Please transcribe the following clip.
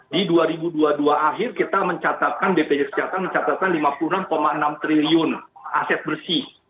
di dua ribu dua puluh dua akhir kita mencatatkan bpjs kesehatan mencatatkan lima puluh enam enam triliun aset bersih